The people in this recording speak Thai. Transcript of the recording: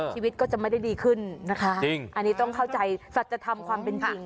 ชีวิตก็จะไม่ได้ดีขึ้นนะคะจริงอันนี้ต้องเข้าใจสัจธรรมความเป็นจริง